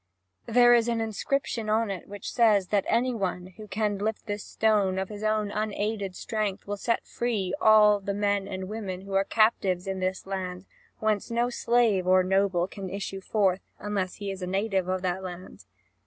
There is an inscription on it which says that any one who can lift this stone of his own unaided strength will set free all the men and women who are captives in the land, whence no slave or noble can issue forth, unless he is a native of that land.